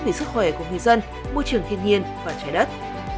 về sức khỏe của người dân môi trường thiên nhiên và trái đất